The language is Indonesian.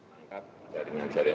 tidak perlu takutnya lebih